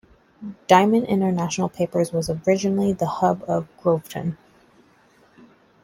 Diamond International Papers was originally the hub of Groveton.